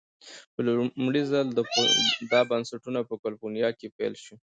په لومړي ځل دا بنسټونه په کلفورنیا کې پیل شول.